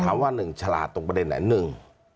ว่าหนึ่งฉลาดตรงประเด็นไหนหนึ่ง